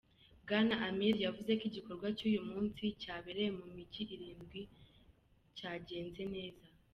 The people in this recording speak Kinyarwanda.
Bwana Amir yavuze ko igikorwa cy'uyu munsi, cyabereye mu mijyi irindwi, cyagenze neza.